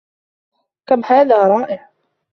كم هذا رائع.